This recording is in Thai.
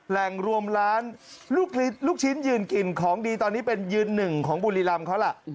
แหล่งรวมร้านลูกชิ้นยืนกินของดีตอนนี้เป็นยืนหนึ่งของบุรีรำเขาล่ะ